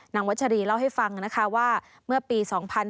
วัชรีเล่าให้ฟังนะคะว่าเมื่อปี๒๕๕๙